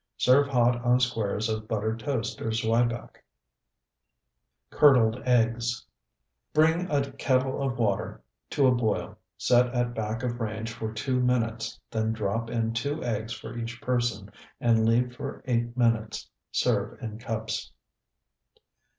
Serve hot on squares of buttered toast or zwieback. CURDLED EGGS Bring a kettle of water to a boil, set at back of range for two minutes, then drop in two eggs for each person, and leave for eight minutes. Serve in cups.